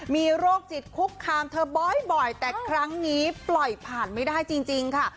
มีโรคจิตคุกคามเธอบ่อยแต่ครั้งนี้ปล่อยผ่านไม่ได้จริงค่ะ